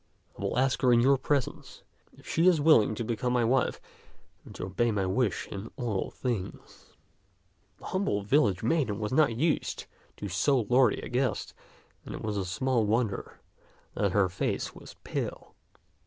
I will ask her in your presence if she is willing to become my wife and to obey my wish in all things." The humble village maiden was not used to so lordly a guest, and it is small wonder that her face was pale.